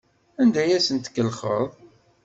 Anda ay asen-tkellxeḍ?